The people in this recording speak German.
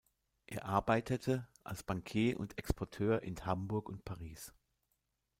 Er arbeitete als Bankier und Exporteur in Hamburg und Paris.